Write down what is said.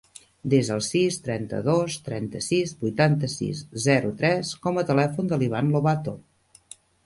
Desa el sis, trenta-dos, trenta-sis, vuitanta-sis, zero, tres com a telèfon de l'Ivan Lobato.